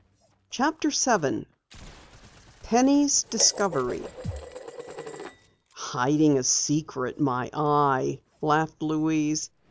CHAPTER 7 PENNY'S DISCOVERY "Hiding a secret, my eye!" laughed Louise.